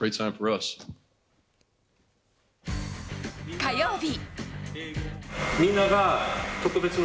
火曜日。